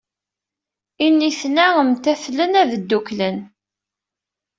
Initen-a mtatlen ad ddukklen.